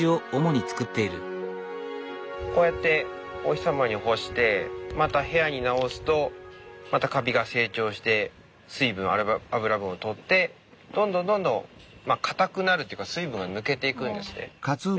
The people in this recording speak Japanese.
こうやってお日様に干してまた部屋になおすとまたかびが成長して水分脂分をとってどんどんかたくなるというか水分が抜けていくんですね。